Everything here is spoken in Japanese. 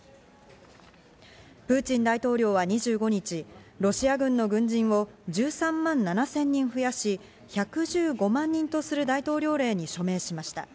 プーチン大統領は２５日、ロシア軍の軍人を１３万７０００人増やし、１１５万人とする大統領令に署名しました。